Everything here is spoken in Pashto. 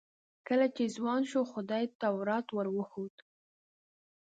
کله چې ځوان شو خدای تورات ور وښود.